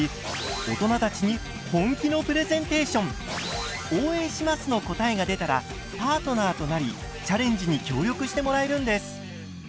番組では「応援します」の答えが出たらパートナーとなりチャレンジに協力してもらえるんです。